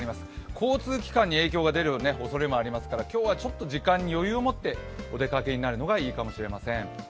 交通機関に影響がでるおそれもありますから今日はちょっと時間に余裕を持ってお出かけになるのがいいかもしれません。